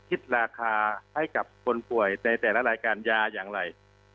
คิดราคาให้กับคนป่วยในแต่ละรายการยาอย่างไร